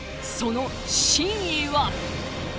その真意は？